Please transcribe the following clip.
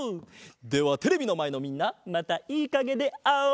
ではテレビのまえのみんなまたいいかげであおう！